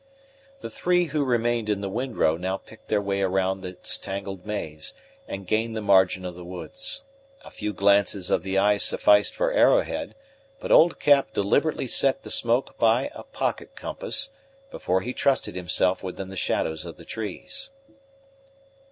The three who remained in the wind row now picked their way around its tangled maze, and gained the margin of the woods. A few glances of the eye sufficed for Arrowhead; but old Cap deliberately set the smoke by a pocket compass, before he trusted himself within the shadows of the trees.